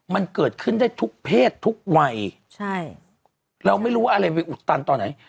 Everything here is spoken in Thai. มันเกิดขึ้นได้ทุกเพศทุกวัยใช่เราไม่รู้ว่าอะไรไปอุดตันตอนไหน